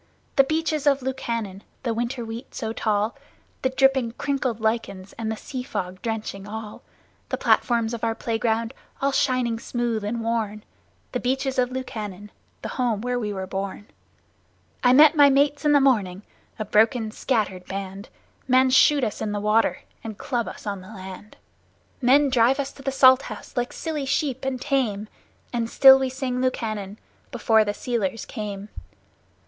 The Beaches of Lukannon the winter wheat so tall The dripping, crinkled lichens, and the sea fog drenching all! The platforms of our playground, all shining smooth and worn! The Beaches of Lukannon the home where we were born! I met my mates in the morning, a broken, scattered band. Men shoot us in the water and club us on the land; Men drive us to the Salt House like silly sheep and tame, And still we sing Lukannon before the sealers came.